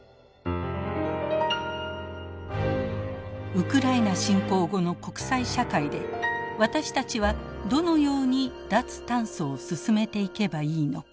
ウクライナ侵攻後の国際社会で私たちはどのように脱炭素を進めていけばいいのか。